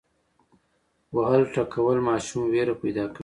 وهل ټکول ماشوم ویره پیدا کوي.